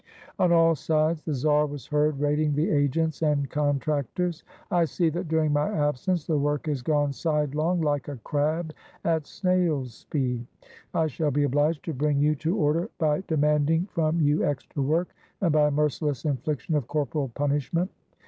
On all sides the czar was heard rating the agents and contractors: —" I see that during my absence the work has gone side long, like a crab, at snail's speed." "I shall be obliged to bring you to order by demand 94 A MORNING WITH PETER THE GREAT ing from you extra work, and by a merciless infliction of corporal punishment."